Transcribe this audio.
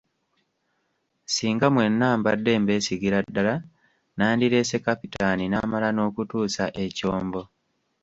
Singa mwenna mbadde mbeesigira ddala, nandirese Kapitaani n'amala n'okutuusa ekyombo.